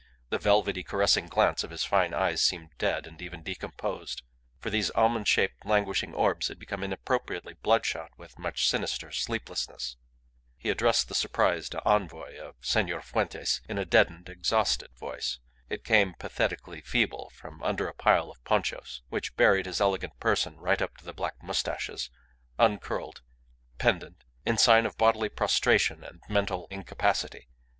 The velvety, caressing glance of his fine eyes seemed dead, and even decomposed; for these almond shaped, languishing orbs had become inappropriately bloodshot with much sinister sleeplessness. He addressed the surprised envoy of Senor Fuentes in a deadened, exhausted voice. It came pathetically feeble from under a pile of ponchos, which buried his elegant person right up to the black moustaches, uncurled, pendant, in sign of bodily prostration and mental incapacity.